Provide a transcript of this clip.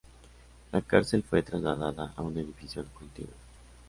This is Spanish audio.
La cárcel fue trasladada a un edificio contiguo.